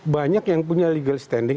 banyak yang punya legal standing